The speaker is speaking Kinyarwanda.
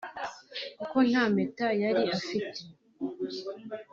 ’ kuko nta mpeta yari afite